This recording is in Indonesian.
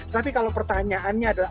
tapi kalau pertanyaannya adalah